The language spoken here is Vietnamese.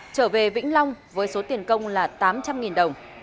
trở về vĩnh long với số tiền công là tám trăm linh đồng